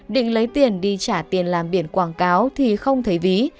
định lấy tiền đi trả tiền làm biển quảng cáo thì không thấy ví